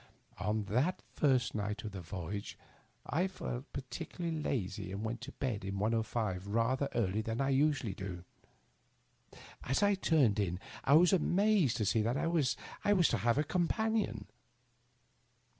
On that first night of the voyage I felt particularly lazy and went to bed in 105 rather earlier than I usually do. As I turned in I was amazed to see that I was to have a companion.